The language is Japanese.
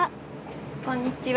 こんにちは。